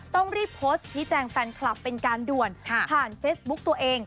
ต้องรีบโพสต์ชี้แจงแฟนคลับเป็นการด่วนผ่านเฟซบุ๊กตัวเอง